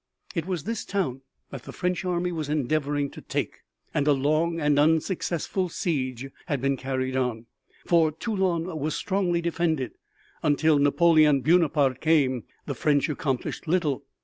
It was this town that the French army was endeavoring to take, and a long and unsuccessful siege had been carried on, for Toulon was strongly defended. Until Napoleon Buonaparte came, the French accomplished little.